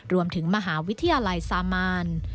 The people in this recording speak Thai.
รวมถึงมหาวิทยาลัยซามาน